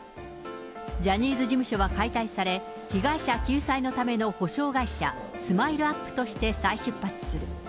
ジャニーズ事務所は解体され、被害者救済のための補償会社、スマイルアップとして再出発する。